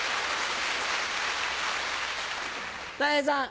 たい平さん。